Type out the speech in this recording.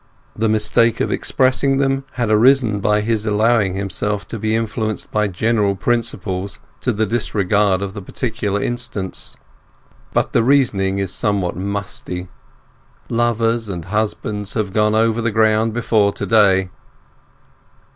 The mistake of expressing them had arisen from his allowing himself to be influenced by general principles to the disregard of the particular instance. But the reasoning is somewhat musty; lovers and husbands have gone over the ground before to day.